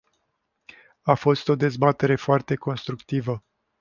A fost o dezbatere foarte constructivă.